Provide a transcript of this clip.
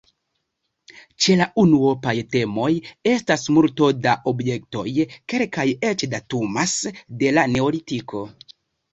Ĉe la unuopaj temoj estas multo da objektoj; kelkaj eĉ datumas de la neolitiko.